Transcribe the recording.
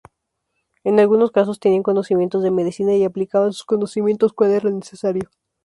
En algunos casos tenían conocimientos de medicina y aplicaban sus conocimientos cuando era necesario.